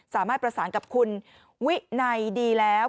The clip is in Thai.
สามารถประสานกับคุณวินัยดีแล้ว